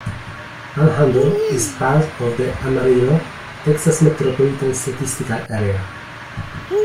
Panhandle is part of the Amarillo, Texas Metropolitan Statistical Area.